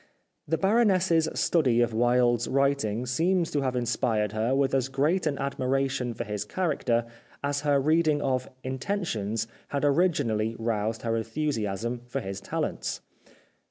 The Baroness's study of Wilde's writing seems to have inspired her with as great an admiration for his character as her reading of "Intentions" had originally roused her enthusiasm for his talents.